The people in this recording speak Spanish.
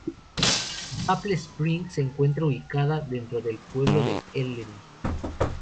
Maple Springs se encuentra ubicada dentro del pueblo de Ellery.